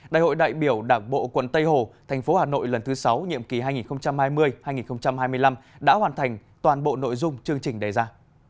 đại hội đại biểu đảng bộ quận tây hồ thành phố hà nội lần thứ sáu nhiệm kỳ hai nghìn hai mươi hai nghìn hai mươi năm đã hoàn thành toàn bộ nội dung chương trình đề ra